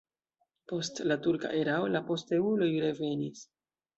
Post la turka erao la posteuloj revenis.